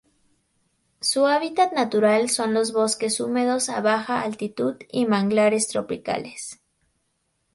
Su hábitat natural son los bosques húmedos a baja altitud y manglares tropicales.